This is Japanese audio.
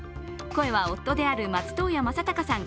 声は夫である松任谷正隆さん